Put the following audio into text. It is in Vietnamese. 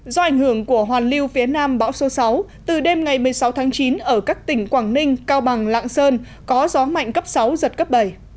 do ảnh hưởng của hoàn lưu phía nam bão số sáu từ đêm ngày một mươi sáu tháng chín ở các tỉnh quảng ninh cao bằng lạng sơn có gió mạnh cấp sáu giật cấp bảy